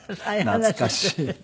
懐かしい。